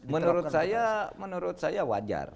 menurut saya wajar